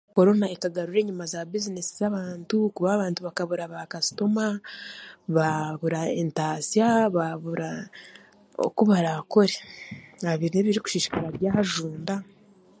korona ekagarura enyima za bizinesi z'abantu kuba abantu bakabura baakasitoma, babura entasya, baabura okubarakore aha bintu ebiri kushishikara byajunda.